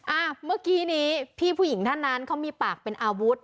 เมื่อกี้นี้พี่ผู้หญิงท่านนั้นเขามีปากเป็นอาวุธ